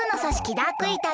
ダークイーターズ